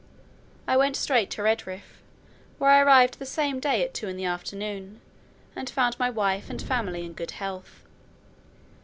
I went straight to Redriff, where I arrived the same day at two in the afternoon, and found my wife and family in good health.